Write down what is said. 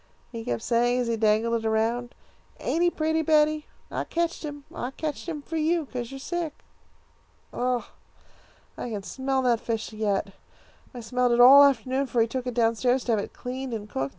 He kept saying, as he dangled it around, 'Ain't he pretty, Betty? I ketched him. I ketched him for you, 'cause you're sick.' "Ugh! I can smell that fish yet! I smelled it all afternoon, for he took it down stairs to have it cleaned and cooked.